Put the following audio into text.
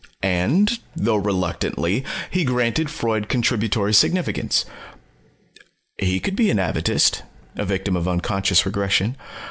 And, though reluctantly, he granted Freud contributory significance. He could be an atavist, a victim of unconscious regression.